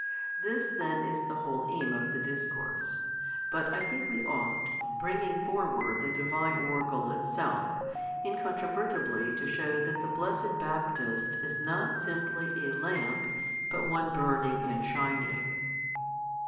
This then is the whole aim of the discourse: but I think we ought, bringing forward the Divine oracle itself, incontrovertibly to shew that the blessed Baptist is not simply a lamp, but one burning and shining.